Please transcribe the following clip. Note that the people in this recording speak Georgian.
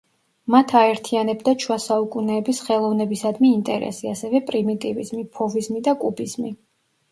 მათ აერთიანებდათ შუა საუკუნეების ხელოვნებისადმი ინტერესი, ასევე პრიმიტივიზმი, ფოვიზმი და კუბიზმი.